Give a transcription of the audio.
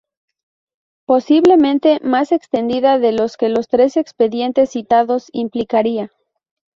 Posiblemente más extendida de lo que los tres expedientes citados implicaría.